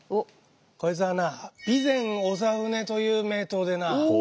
こいつはな備前長船という名刀でな